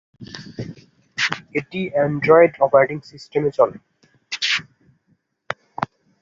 এটি android operating সিস্টেমে চলে।